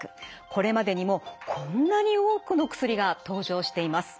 これまでにもこんなに多くの薬が登場しています。